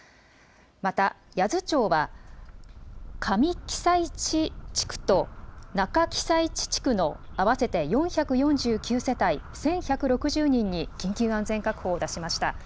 また八頭町はかみきさいち地区となかきさいち地区の合わせて４４９世帯１１６０人に緊急安全確保を出しました。